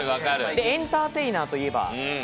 エンターテイナーといえば。